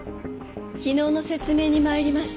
昨日の説明に参りました。